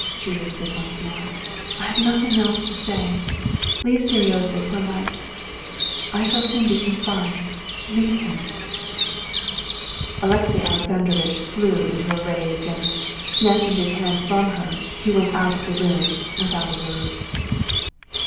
she whispered once more. "I have nothing else to say. Leave Seryozha till my ... I shall soon be confined; leave him!" Alexey Alexandrovitch flew into a rage, and, snatching his hand from her, he went out of the room without a word.